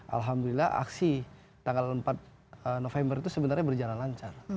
alhamdulillah aksi tanggal empat november itu sebenarnya berjalan lancar